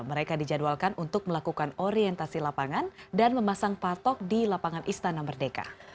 mereka dijadwalkan untuk melakukan orientasi lapangan dan memasang patok di lapangan istana merdeka